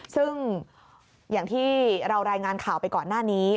ซึ่งอย่างที่เรารายงานข่าวไปก่อนหน้านี้